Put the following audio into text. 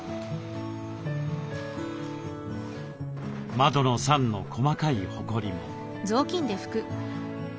窓の桟の細かいホコリも。